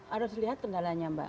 harus lihat kendalanya mbak